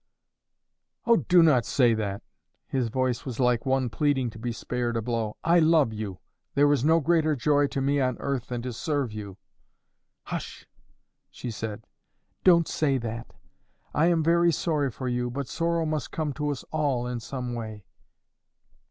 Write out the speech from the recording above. "Oh, do not say that!" His voice was like one pleading to be spared a blow. "I love you. There is no greater joy to me on earth than to serve you." "Hush," she said; "don't say that. I am very sorry for you, but sorrow must come to us all in some way."